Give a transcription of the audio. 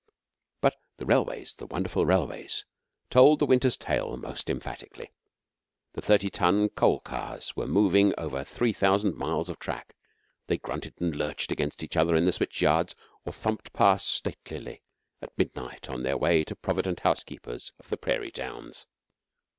But the railways the wonderful railways told the winter's tale most emphatically. The thirty ton coal cars were moving over three thousand miles of track. They grunted and lurched against each other in the switch yards, or thumped past statelily at midnight on their way to provident housekeepers of the prairie towns.